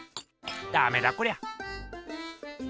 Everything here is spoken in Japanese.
ダメだこりゃ。